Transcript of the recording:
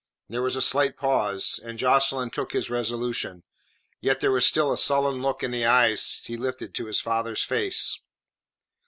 There was a slight pause, and Jocelyn took his resolution. Yet there was still a sullen look in the eyes he lifted to his father's face.